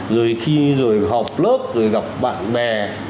rồi khi rồi họp lớp rồi gặp bạn bè